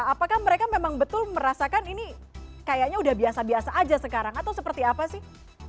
apakah mereka memang betul merasakan ini kayaknya udah biasa biasa aja sekarang atau seperti apa sih